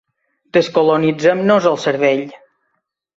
Descolonitzem-nos el cervell!